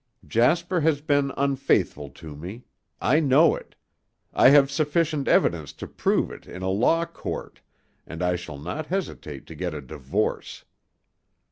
Jasper has been unfaithful to me. I know it. I have sufficient evidence to prove it in a law court and I shall not hesitate to get a divorce.